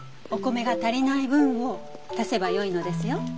お米が足りない分を足せばよいのですよ。